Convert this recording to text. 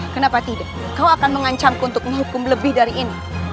kenapa tidak kau akan mengancamku untuk menghukum lebih dari ini